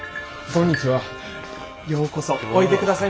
こんにちは。